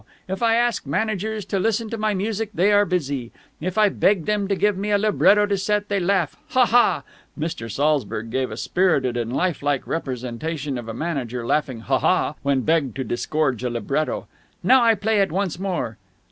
If I ask managers to listen to my music, they are busy! If I beg them to give me a libretto to set, they laugh ha! ha!" Mr. Saltzburg gave a spirited and lifelike representation of a manager laughing ha ha when begged to disgorge a libretto. "Now I play it once more!"